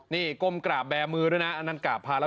นี่กลมกราบแบมือเตรียมด้วยนะ